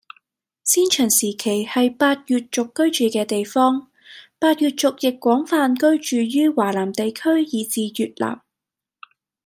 先秦時期係百越族居住嘅地方，百越族亦廣泛居住於華南地區以至越南